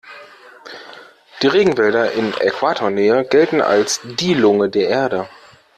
Die Regenwälder in Äquatornähe gelten als die Lunge der Erde.